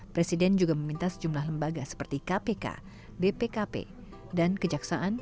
presiden juga meminta sejumlah lembaga seperti kpk bpkp dan kejaksaan